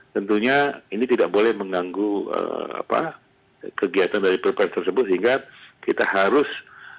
tentunya ini tidak boleh mengganggu kegiatan dari perpres tersebut sehingga kita harus